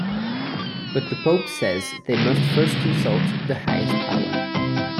But the Pope says they must first consult the highest power.